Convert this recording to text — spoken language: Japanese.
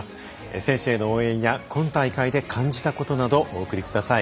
選手への応援や今大会で感じたことなどをお送りください。